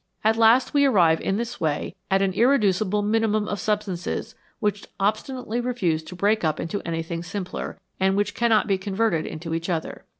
At last we arrive in this way at an irreducible minimum of substances which obstinately refuse to break up into anything simpler, and which cannot be converted into each other.